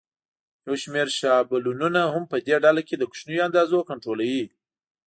یو شمېر شابلونونه هم په دې ډله کې د کوچنیو اندازو کنټرولوي.